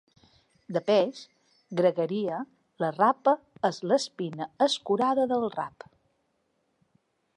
De peix —Gregueria: la rapa és l'espina escurada del rap—.